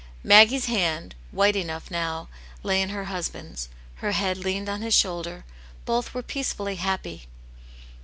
Maggie's haind, white enough now, lay in her hus band's, her head leaned on his shoulder ; both were peacefully happy.